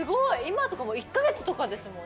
今とかもう１カ月とかですもん。